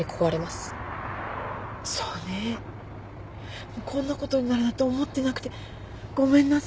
そうね。こんなことになるなんて思ってなくてごめんなさい。